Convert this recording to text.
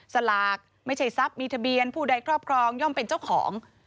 สลากไม่ใช่ทรัพย์มีทะเบียนผู้ใดครอบครองย่อมเป็นเจ้าของ